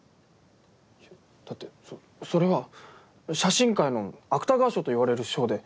いやだってそそれは写真界の芥川賞と言われる賞で。